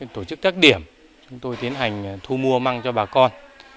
tổ chức các điểm chúng tôi tiến hành thu mua măng cho bà con